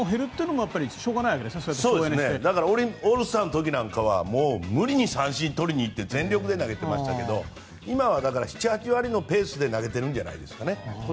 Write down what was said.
だからオールスターの時なんかはもう無理に三振取りに行って全力で投げてましたけど今は７８割のペースで投げてるんじゃないですかね。